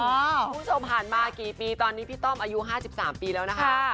ผู้โชคผ่านมากี่ปีตอนนี้พี่ต้องอายุ๕๓ปีเดียวนะคะ